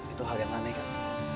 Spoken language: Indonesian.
itu hal yang aneh kan